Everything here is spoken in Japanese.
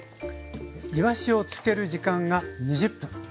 いわしをつける時間が２０分。